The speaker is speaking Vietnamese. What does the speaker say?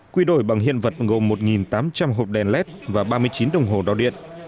quy đổi bằng hiện vật gồm một tám trăm linh hộp đèn led và ba mươi chín đồng hồ đo điện